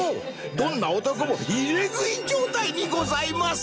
どんな男も入れ食い状態にございます！